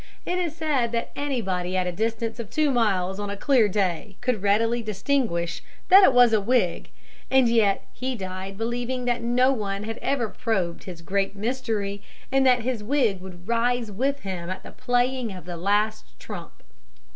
It is said that anybody at a distance of two miles on a clear day could readily distinguish that it was a wig, and yet he died believing that no one had ever probed his great mystery and that his wig would rise with him at the playing of the last trump.